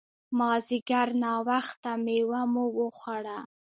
مازیګر ناوخته مېوه مو وخوړه.